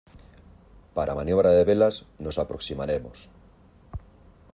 para maniobra de velas. nos aproximaremos